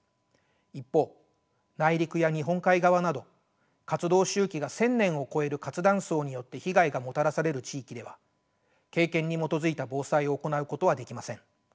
一方内陸や日本海側など活動周期が１，０００年を超える活断層によって被害がもたらされる地域では経験に基づいた防災を行うことはできません。